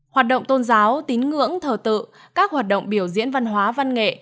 hoạt động tôn giáo tín ngưỡng thờ tự các hoạt động biểu diễn văn hóa văn nghệ